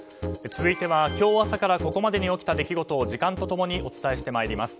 続いては今日朝からここまでに起きた出来事を時間と共にお伝えしてまいります。